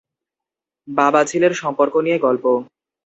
বাবা ছেলের সম্পর্ক নিয়ে গল্প।